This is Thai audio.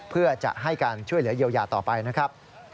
เพื่อจะให้การช่วยเหลือเยียวยาต่อไปนะครับ